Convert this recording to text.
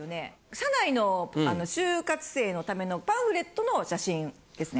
社内の就活生のためのパンフレットの写真ですね。